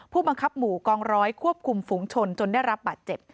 ผู้บังคับหมู่กองร้อยควบคุมฝุงชนจนได้รับบาดเจ็บ